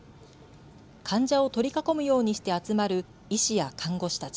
患者を取り囲むようにして集まる医師や看護師たち。